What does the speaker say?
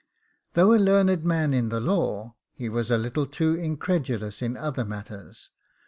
Though a learned man in the law, he was a little too incredulous in other matters.